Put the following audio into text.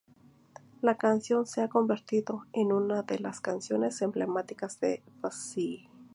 La canción se ha convertido en una de las canciones emblemáticas de Bassey.